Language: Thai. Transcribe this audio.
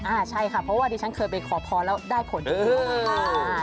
อ่าใช่ค่ะเพราะว่าดิฉันเคยไปขอพรแล้วได้ผลจริง